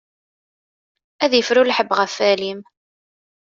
Ad ifru lḥebb ɣef alim.